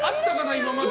今まで。